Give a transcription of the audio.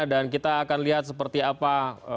dan kita akan lihat seperti apa